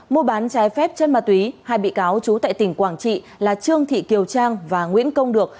mua bán trái phép chân ma túy hai bị cáo trú tại tỉnh quảng trị là trương thị kiều trang và nguyễn công được